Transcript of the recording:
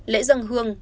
lễ dân hương